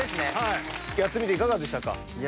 やってみていかがでしたか？